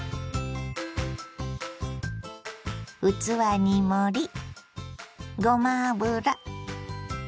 器に盛りごま油。